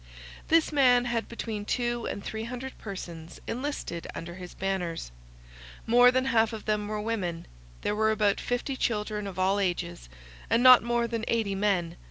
This man had between two and three hundred persons enlisted under his banners. More than half of them were women; there were about fifty children of all ages; and not more than eighty men.